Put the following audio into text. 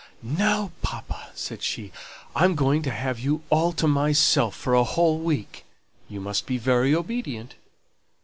"Now, papa!" said she, "I'm going to have you all to myself for a whole week. You must be very obedient."